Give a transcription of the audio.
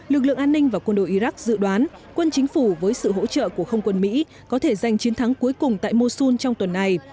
lực lượng an ninh và quân đội iraq dự đoán quân chính phủ với sự hỗ trợ của không quân mỹ có thể giành chiến thắng cuối cùng tại mosun trong tuần này